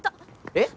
えっ？